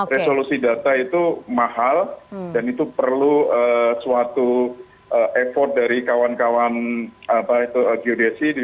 resolusi data itu mahal dan itu perlu suatu effort dari kawan kawan apa itu geodesi